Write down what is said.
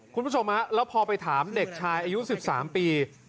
คุณผู้ชมแล้วพอไปถามเด็กชายอายุ๑๓ปี